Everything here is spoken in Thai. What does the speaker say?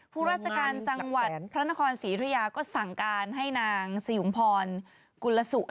ผู้ราชการจังหวัดพระนครศรีรุยาก็สั่งการให้นางสยุงพรกุลสุ